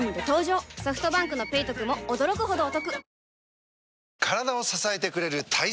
ソフトバンクの「ペイトク」も驚くほどおトク